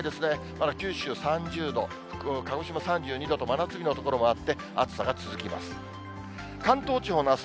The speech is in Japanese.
まだ九州３０度、鹿児島３２度と、真夏日の所もあって、暑さが続きます。